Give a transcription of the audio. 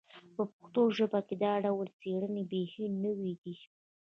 په پښتو ژبه کې دا ډول څېړنې بیخي نوې دي